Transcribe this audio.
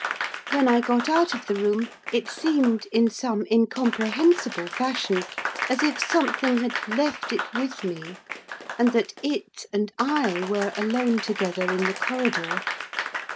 When I got out of the room, it seemed, in some incomprehensible fashion, as if something had left it with me, and that It and I were alone together in the corridor.